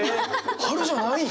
春じゃないん？